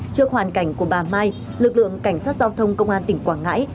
trước hoàn cảnh của bà mai lực lượng cảnh sát giao thông công an tỉnh quảng ngãi